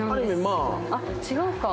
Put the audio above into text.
あっ違うか。